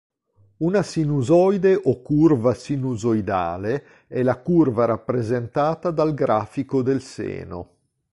Una sinusoide o curva sinusoidale è la curva rappresentata dal grafico del seno.